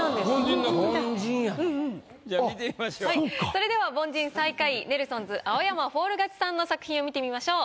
それでは凡人最下位ネルソンズ青山フォール勝ちさんの作品を見てみましょう。